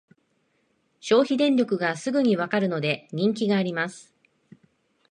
消費電力がすぐにわかるので人気があります